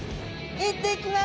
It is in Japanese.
行ってきます。